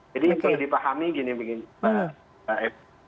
jadi dipahami begini